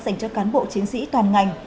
dành cho cán bộ chiến sĩ toàn ngành